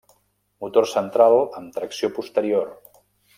Motor central amb tracció posterior.